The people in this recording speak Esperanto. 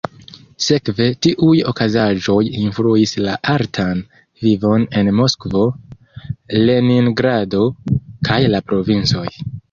Sekve, tiuj okazaĵoj influis la artan vivon en Moskvo, Leningrado, kaj la provincoj.